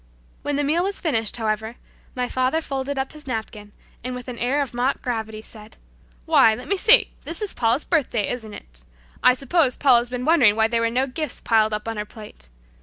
When the meal was finished, however, my father folded up his napkin, and with an air of mock gravity said, "Why, let me see, this is Paula's birthday; isn't it? I suppose Paula's been wondering why there were no gifts piled up on her plate.